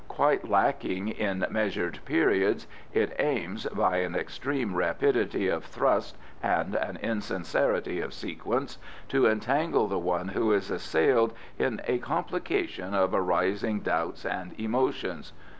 Quite lacking in measured periods, it aims, by an extreme rapidity of thrust and an insincerity of sequence, to entangle the one who is assailed in a complication of arising doubts and emotions.